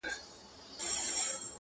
د خيال غزل بۀ هم صنمه پۀ رو رو غږېدو.